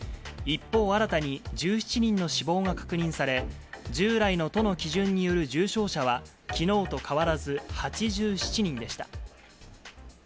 一方、新たに１７人の死亡が確認され、従来の都の基準による重症者は、きのうと変わらず８７人でした。